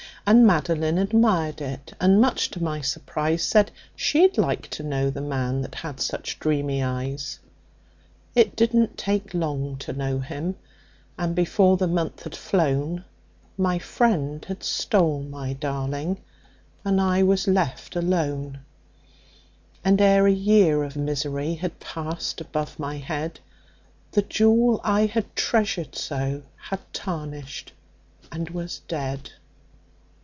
And Madeline admired it, and much to my surprise, Said she'd like to know the man that had such dreamy eyes. "It didn't take long to know him, and before the month had flown My friend had stole my darling, and I was left alone; And ere a year of misery had passed above my head, The jewel I had treasured so had tarnished and was dead.